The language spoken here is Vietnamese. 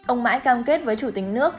ông mãi cam kết với chủ tịch nước